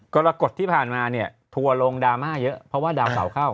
กรกฎที่ผ่านมาเนี่ยทัวร์ลงดราม่าเยอะเพราะว่าดาวเสาเข้า